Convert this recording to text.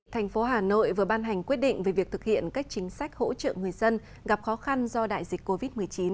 thành phố hà nội vừa ban hành quyết định về việc thực hiện các chính sách hỗ trợ người dân gặp khó khăn do đại dịch covid một mươi chín